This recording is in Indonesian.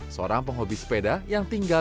seorang penghobi sepeda yang tinggal